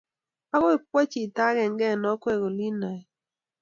Agoi kowa chito agenge eng akwek olinoe?